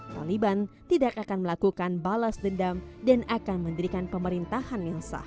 taliban tidak akan melakukan balas dendam dan akan mendirikan pemerintahan yang sah